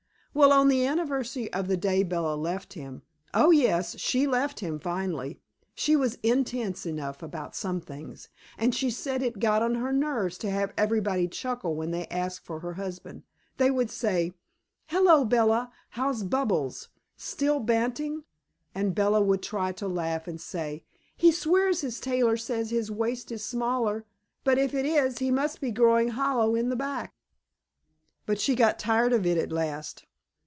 Well, on the anniversary of the day Bella left him oh yes, she left him finally. She was intense enough about some things, and she said it got on her nerves to have everybody chuckle when they asked for her husband. They would say, "Hello, Bella! How's Bubbles? Still banting?" And Bella would try to laugh and say, "He swears his tailor says his waist is smaller, but if it is he must be growing hollow in the back." But she got tired of it at last.